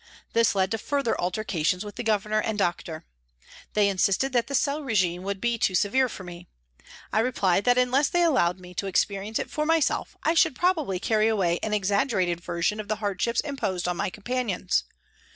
This led to further altercations with the Governor and doctor. They insisted that the cell regime would be too severe for me. I replied " A TRACK TO THE WATER'S EDGE " 145 that unless they allowed me to experience it for myself I should probably carry away an exaggerated version of the hardships imposed on my companions.